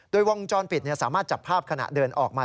โดยวงจรปิดสามารถจับภาพขณะเดินออกมา